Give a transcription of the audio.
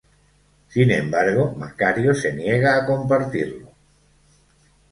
Sin embargo, Macario se niega a compartirlo.